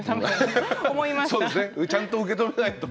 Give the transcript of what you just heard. ちゃんと受け止めないと。